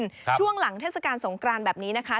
ช่วงหลังเทศกาลสงกรานแบบนี้นะคะ